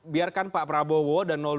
biarkan pak prabowo dan dua